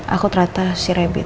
aku ternyata si rabbit